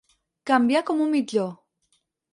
Canviar com un mitjó.